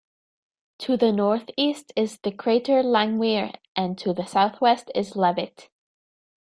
To the northeast is the crater Langmuir and to the southwest is Leavitt.